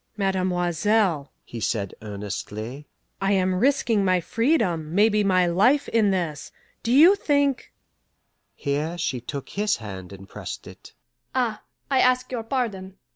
"Mademoiselle," he said earnestly, "I am risking my freedom, maybe my life, in this; do you think " Here she took his hand and pressed it. "Ah, I ask your pardon.